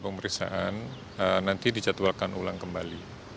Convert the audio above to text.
pemeriksaan nanti dijadwalkan ulang kembali